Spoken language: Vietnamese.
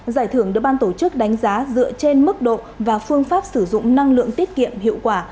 giải thưởng được ban tổ chức đánh giá dựa trên mức độ và phương pháp sử dụng năng lượng tiết kiệm hiệu quả